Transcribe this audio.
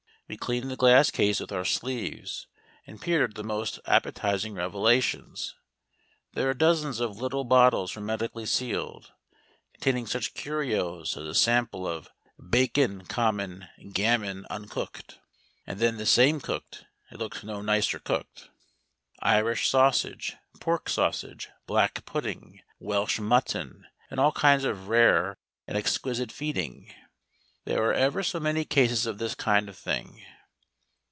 We cleaned the glass case with our sleeves and peered at the most appetising revelations. There are dozens of little bottles hermetically sealed, containing such curios as a sample of "Bacon Common (Gammon) Uncooked," and then the same cooked it looked no nicer cooked Irish sausage, pork sausage, black pudding, Welsh mutton, and all kinds of rare and exquisite feeding. There are ever so many cases of this kind of thing.